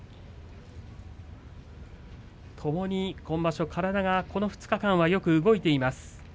ともに今場所体はこの２日間よく動いています。